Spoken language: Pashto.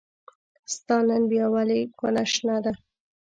ستا نن بيا ولې کونه شنه ده